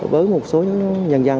với một số nhân dân